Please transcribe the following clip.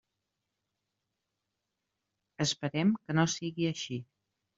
Esperem que no siga així.